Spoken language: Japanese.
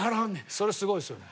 それすごいですよね。